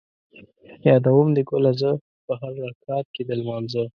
یادوم دې ګله زه ـ په هر رکعت کې د لمانځه